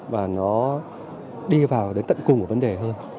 và nó đi vào đến tận cùng của vấn đề hơn